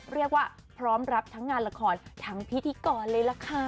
เรียกว่าพร้อมรับทั้งงานละครทั้งพิธีกรเลยล่ะค่ะ